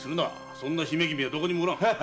そんな姫君はどこにもおらん。